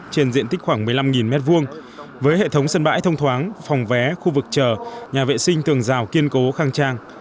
trên diện tích khoảng một mươi năm m hai với hệ thống sân bãi thông thoáng phòng vé khu vực chờ nhà vệ sinh tường rào kiên cố khang trang